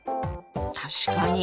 確かに。